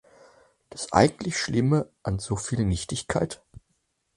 Das eigentlich Schlimme an so viel Nichtigkeit?